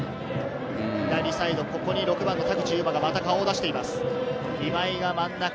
左サイド、ここで田口裕真がまた顔を出しています。